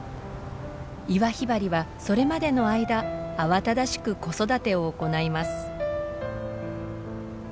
イワヒバリはそれまでの間慌ただしく子育てを行います。